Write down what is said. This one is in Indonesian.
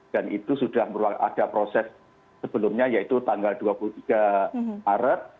dan itu sudah ada proses sebelumnya yaitu tanggal dua puluh tiga maret